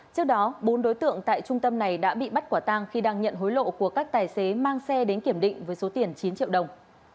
trước đó bốn đối tượng tại trung tâm này đã bị bắt quả tang khi đang nhận hối lộ của các tài xế mang xe đến kiểm định với số tiền chín triệu đồng